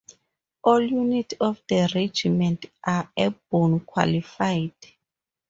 All units of the regiment are airborne qualified.